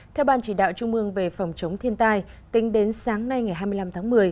theo ban chỉ đạo trung mương về phòng chống thiên tai tính đến sáng nay ngày hai mươi năm tháng một mươi